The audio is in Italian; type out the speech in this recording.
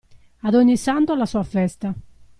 A ogni santo la sua festa.